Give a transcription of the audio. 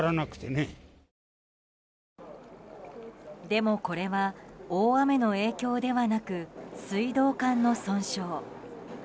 でもこれは大雨の影響ではなく水道管の損傷。